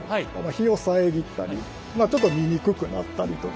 日を遮ったりちょっと見にくくなったりとか。